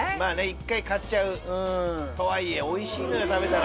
一回買っちゃうとはいえおいしいのよ食べたら。